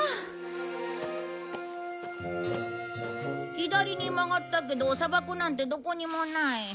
左に曲がったけど砂漠なんてどこにもない。